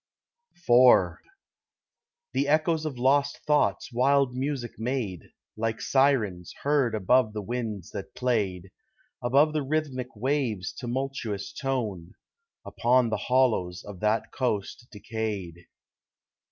IV The echoes of lost thoughts wild music made, Like Sirens, heard above the winds that played, Above the rhythmic waves' tumultuous tone, Upon the hollows of that coast decayed.